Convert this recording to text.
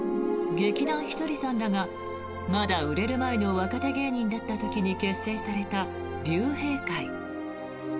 劇団ひとりさんらがまだ売れる前の若手芸人だった時に結成された竜兵会。